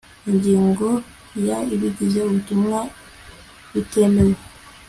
ingingo ya ibigize ubutumwa bitemewe